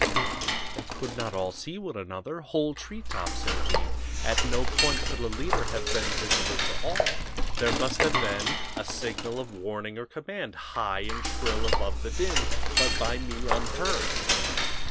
They could not all see one another whole treetops intervened. At no point could a leader have been visible to all. There must have been a signal of warning or command, high and shrill above the din, but by me unheard.